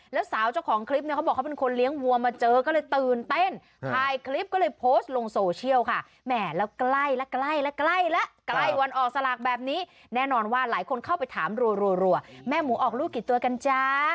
แล้วสาวเจ้าของคลิปเนี่ยเขาบอกเขาเป็นคนเลี้ยงวัวมาเจอก็เลยตื่นเต้นถ่ายคลิปก็เลยโพสต์ลงโซเชียลค่ะแหม่แล้วใกล้แล้วใกล้แล้วใกล้แล้วใกล้วันออกสลากแบบนี้แน่นอนว่าหลายคนเข้าไปถามรัวแม่หมูออกลูกกี่ตัวกันจ๊ะ